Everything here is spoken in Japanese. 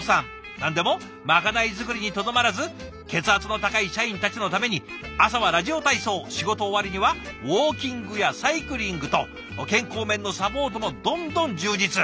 何でもまかない作りにとどまらず血圧の高い社員たちのために朝はラジオ体操仕事終わりにはウォーキングやサイクリングと健康面のサポートもどんどん充実。